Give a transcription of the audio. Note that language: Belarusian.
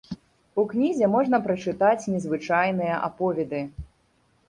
У кнізе можна прачытаць незвычайныя аповеды.